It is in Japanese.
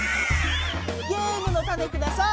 ゲームのタネください！